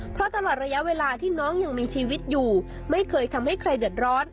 เพราะน้องยังมีชีวิตอยู่ไม่เคยทำให้ใครเดือดร้อน